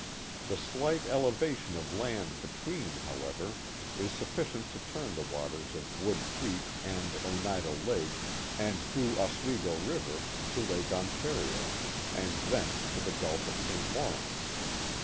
The slight elevation of land between, however, is sufficient to turn the waters of Wood Creek and Oneida Lake and through Oswego River to Lake Ontario, and thence to the Gulf of St. Lawrence.